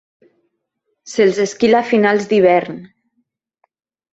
Se'ls esquila a finals d'hivern.